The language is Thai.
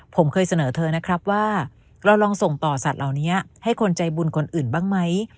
ผมเคยเสนอเธอนะครับว่าเราลองส่งต่อสัตว์เหล่านี้ให้คนใจบุญคนอื่นบ้างไหม